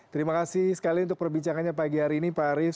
terima kasih sekali untuk perbincangannya pagi hari ini pak arief